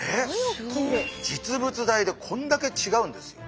実物大でこんだけ違うんですよ。